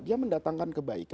dia mendatangkan kebaikan ya